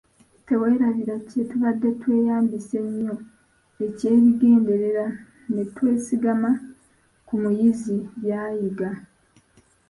Teweerabira kye tubadde tweyambisa ennyo eky'ebigendererwa ne twesigama ku muyizi by'ayiga.